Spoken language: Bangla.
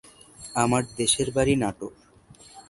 আমার দেশের বাড়ি নাটোরে।